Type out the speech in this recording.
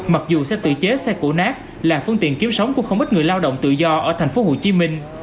mặc dù xe tự chế xe cổ nát là phương tiện kiếm sống của không ít người lao động tự do ở tp hcm